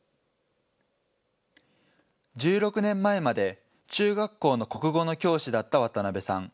１６年前まで中学校の国語の教師だった渡辺さん。